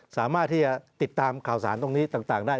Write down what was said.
สามารถที่จะติดตามข่าวสารตรงนี้ต่างได้